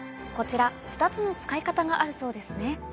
こちら２つの使い方があるそうですね。